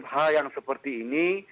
hal yang seperti ini